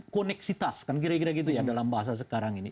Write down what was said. koneksitas kan kira kira gitu ya dalam bahasa sekarang ini